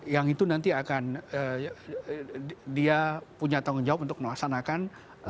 yang itu nanti akan dia punya tanggung jawab untuk melaksanakan